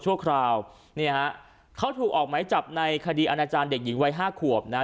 คราวเนี่ยฮะเขาถูกออกไหมจับในคดีอาณาจารย์เด็กหญิงวัยห้าขวบนะฮะ